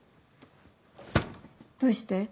どうして？